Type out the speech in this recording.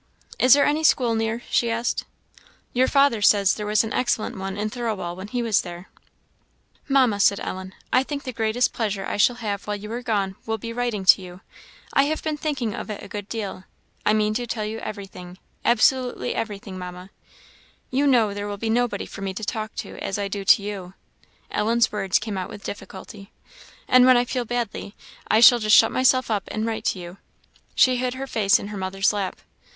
"Is there any school near?" she asked. "Your father says there was an excellent one in Thirlwall when he was there." "Mamma," said Ellen, "I think the greatest pleasure I shall have while you are gone will be writing to you. I have been thinking of it a good deal. I mean to tell you everything absolutely everything, Mamma. You know there will be nobody for me to talk to as I do to you" (Ellen's words came out with difficulty); "and when I feel badly, I shall just shut myself up and write to you." She hid her face in her mother's lap.